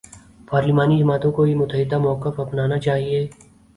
پارلیمانی جماعتوں کو یہ متحدہ موقف اپنانا چاہیے۔